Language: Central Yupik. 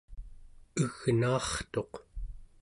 egnaartuq